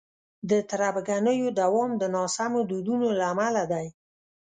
د تربګنیو دوام د ناسمو دودونو له امله دی.